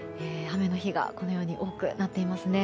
雨の日がこのように多くなっていますね。